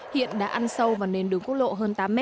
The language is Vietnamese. hiện đã ăn sâu vào nền đường quốc lộ hơn tám m